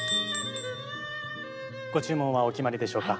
ご注文はお決まりでしょうか？